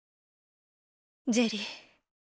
ジェリー。